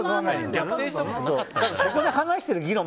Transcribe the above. ここで話してる議論